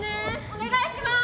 お願いします。